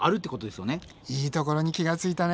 いいところに気がついたね。